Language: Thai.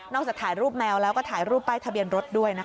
จากถ่ายรูปแมวแล้วก็ถ่ายรูปป้ายทะเบียนรถด้วยนะคะ